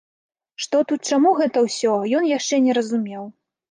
Што тут чаму гэта ўсё, ён яшчэ не разумеў.